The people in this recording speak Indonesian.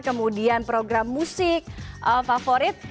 kemudian program musik favorit